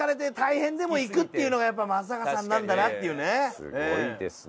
すごいですね。